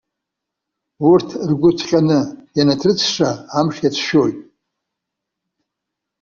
Урҭ ргәы ҭҟьаны ианыҭрысша амш иацәшәоит.